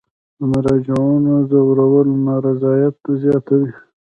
د مراجعینو ځورول نارضایت زیاتوي.